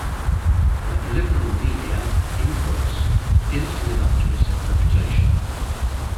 The 'liberal media' -- in quotes -- didn't live up to its reputation.